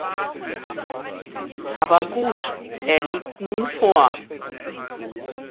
Aber gut, er liegt nun vor.